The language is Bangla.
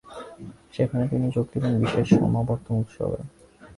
সেখানে তিনি যোগ দেবেন বিশেষ সমাবর্তন উৎসবে।